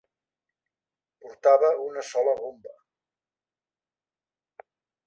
Portava una sola bomba.